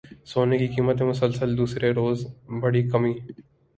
سونے کی قیمت میں مسلسل دوسرے روز بڑی کمی